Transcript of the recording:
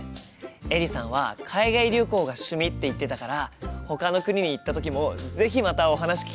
エリさんは海外旅行が趣味って言ってたからほかの国に行った時も是非またお話聞きたいね。